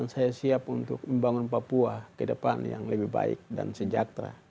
saya siap untuk membangun papua ke depan yang lebih baik dan sejahtera